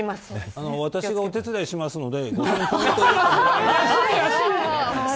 私がお手伝いしますので。